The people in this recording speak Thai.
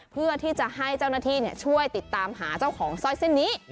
เพื่อที่จะให้เจ้าหน้าที่ช่วยติดตามหาเจ้าของสร้อยเส้นนี้